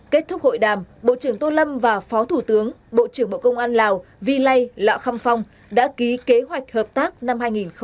kết thúc hội đàm bộ trưởng tô lâm và phó thủ tướng bộ trưởng bộ công an lào vi lây lạ khăm phong đã ký kế hoạch hợp tác năm hai nghìn hai mươi bốn